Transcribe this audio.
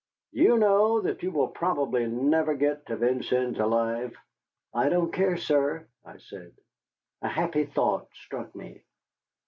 Do you know that you will probably never get to Vincennes alive?" "I don't care, sir," I said. A happy thought struck me.